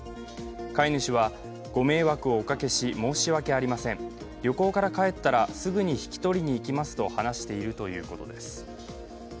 飼い主は、ご迷惑をおかけし申し訳ありません、旅行から帰ったらすぐに引き取りに行きますと話しているということです。